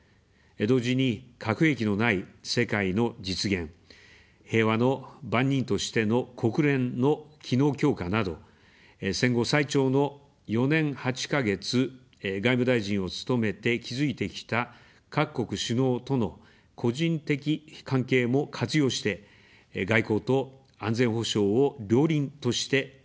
同時に、核兵器のない世界の実現、平和の番人としての国連の機能強化など、戦後最長の４年８か月、外務大臣を務めて築いてきた各国首脳との個人的関係も活用して、外交と安全保障を両輪として展開します。